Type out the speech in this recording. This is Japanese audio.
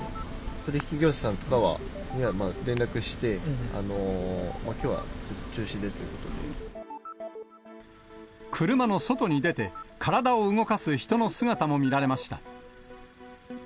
取り引き業者とかには、まあ、連絡して、きょうは中止でという車の外に出て、体を動かす人の姿も見られました。